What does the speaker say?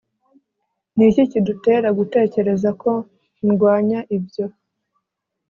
Ni iki kigutera gutekereza ko ndwanya ibyo